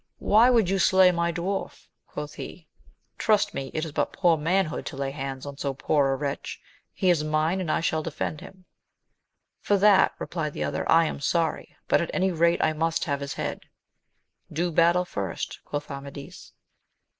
Why would you slay my dwarf? quoth he ; trust me it is but poor manhood to lay hands on so poor a wretch : he is mine, and I shall defend him. For that, replied the other, I am sorry; but at any rate I must have his head. Do battle first, quoth Amadis.